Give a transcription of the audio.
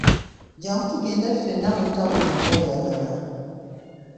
Jjangu tugende fenna mu ttawuni oba oyagala.